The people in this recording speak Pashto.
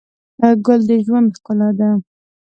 ګل د ژوند ښکلا ده.